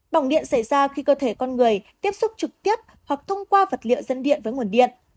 bỏng điện xảy ra khi cơ thể con người tiếp xúc trực tiếp hoặc thông qua vật liệu dân điện với nguồn điện